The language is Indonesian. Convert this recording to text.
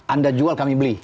anda jual kami beli